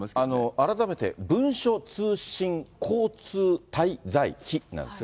改めて文書通信交通滞在費なんですが。